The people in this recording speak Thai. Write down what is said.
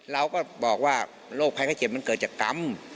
เราก็บอกว่าโรคภัยไข้เจ็บมันเกิดจากกรรม